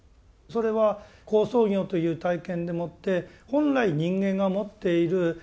それは好相行という体験でもって本来人間が持っている